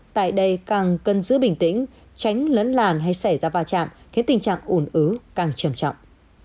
tại đây càng cần giữ bình tĩnh tránh lấn làn hay xảy ra va chạm khiến tình trạng ủn ứ càng trầm trọng